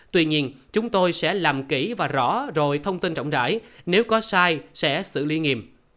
tuy nhiên chúng tôi sẽ làm kỹ và rõ rồi thông tin rộng rãi nếu có sai sẽ xử lý nghiêm